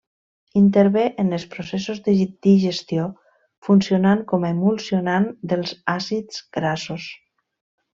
Intervé en els processos de digestió funcionant com a emulsionant dels àcids grassos.